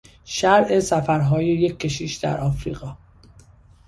شرح سفرهای یک کشیش در آفریقا